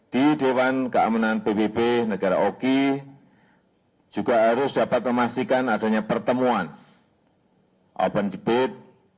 di dewan keamanan pbb negara oki juga harus dapat memastikan adanya pertemuan open debit